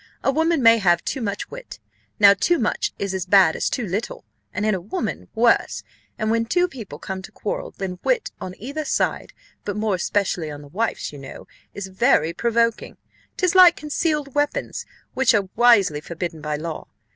A woman may have too much wit now too much is as bad as too little, and in a woman, worse; and when two people come to quarrel, then wit on either side, but more especially on the wife's, you know is very provoking 'tis like concealed weapons, which are wisely forbidden by law.